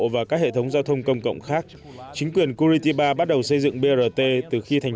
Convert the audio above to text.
và các hệ thống giao thông công cộng khác chính quyền kuritiba bắt đầu xây dựng brt từ khi thành